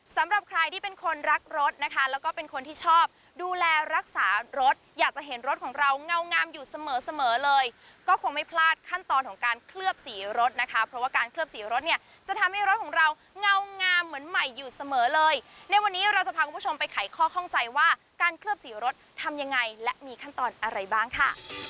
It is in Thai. สำหรับใครที่เป็นคนรักรถนะคะแล้วก็เป็นคนที่ชอบดูแลรักษารถอยากจะเห็นรถของเราเงางามอยู่เสมอเสมอเลยก็คงไม่พลาดขั้นตอนของการเคลือบสีรถนะคะเพราะว่าการเคลือบสีรถเนี่ยจะทำให้รถของเราเงางามเหมือนใหม่อยู่เสมอเลยในวันนี้เราจะพาคุณผู้ชมไปไขข้อข้องใจว่าการเคลือบสีรถทำยังไงและมีขั้นตอนอะไรบ้างค่ะ